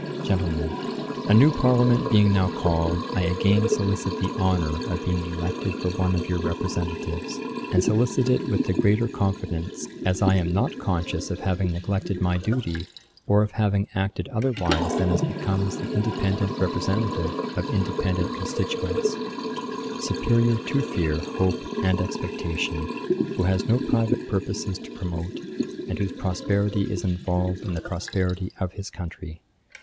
'GENTLEMEN, 'A new Parliament being now called, I again solicit the honour of being elected for one of your representatives; and solicit it with the greater confidence, as I am not conscious of having neglected my duty, or of having acted otherwise than as becomes the independent representative of independent constituents; superiour to fear, hope, and expectation, who has no private purposes to promote, and whose prosperity is involved in the prosperity of his country.